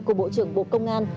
của bộ trưởng bộ công an